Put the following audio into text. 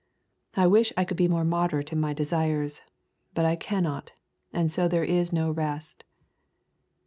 I wish I could be more moderate in my desires, but I cannot, and so there is no rest."